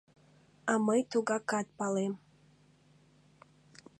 — А мый тугакат палем.